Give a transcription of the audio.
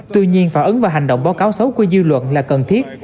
tuy nhiên phản ứng và hành động báo cáo xấu của dư luận là cần thiết